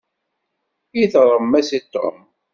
I teɣrem-as i Tom?